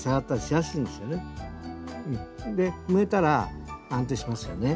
埋めたら安定しますよね。